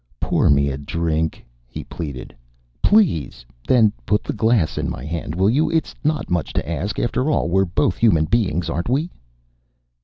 "Pour me a drink," he pleaded. "Please. Then put the glass in my hand, will you? It's not much to ask. After all, we're both human beings, aren't we?"